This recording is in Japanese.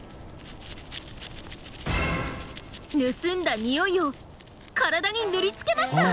盗んだ匂いを体に塗りつけました！